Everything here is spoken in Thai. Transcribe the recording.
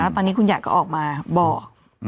ตอนนี้คุณยายก็ออกมาบอก